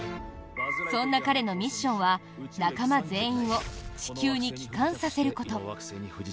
そんな彼のミッションは仲間全員を地球に帰還させること。